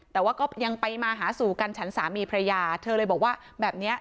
แต่ว่าก็ยังไปมาหาสู่กันฉันสามีพระยาเธอเลยบอกว่าแบบเนี้ย